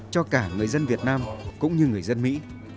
cho cả người dân việt nam cũng như người dân mỹ